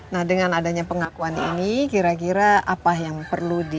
nah dengan adanya pengakuan ini kira kira apa yang perlu di